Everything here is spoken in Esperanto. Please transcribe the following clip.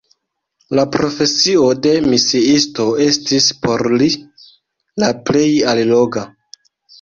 La profesio de misiisto estis por li la plej alloga.